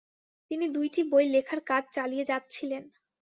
তিনি দু্ইটি বই লেখার কাজ চালিয়ে যাচ্ছিলেন।